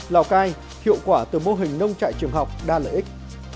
lào cai hiệu quả từ mô hình nông trại trường học đa lợi ích